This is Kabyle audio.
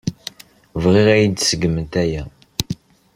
Bɣiɣ ad iyi-tṣeggmemt aya.